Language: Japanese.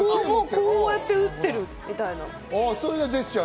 こうやって打ってるみたいな。